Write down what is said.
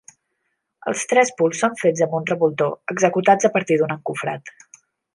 Els trespols són fets amb revoltó, executats a partir d'un encofrat.